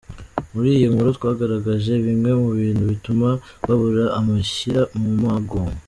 Muri iyi nkuru twagaragaje bimwe mu bintu bituma Babura abashyira mu mago.